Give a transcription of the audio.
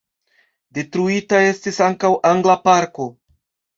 Detruita estis ankaŭ angla parko.